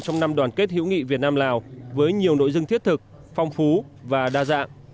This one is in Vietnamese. trong năm đoàn kết hữu nghị việt nam lào với nhiều nội dung thiết thực phong phú và đa dạng